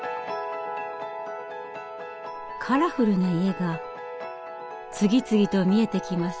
カラフルな家が次々と見えてきます。